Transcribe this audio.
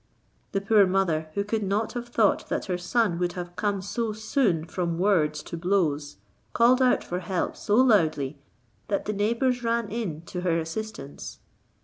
The poor mother, who could not have thought that her son would have come so soon from words to blows, called out for help so loud, that the neighbours ran in to her assistance.